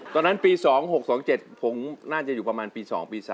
ตอนนั้นปี๒๖๒๗ผมน่าจะอยู่ประมาณปี๒ปี๓